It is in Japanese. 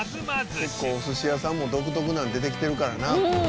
結構お寿司屋さんも独特なん出てきてるからな。